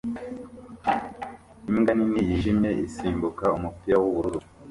Imbwa nini yijimye isimbuka umupira wubururu